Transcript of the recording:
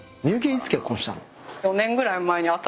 いつ結婚したの？